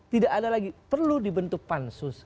tidak ada lagi perlu dibentuk pansus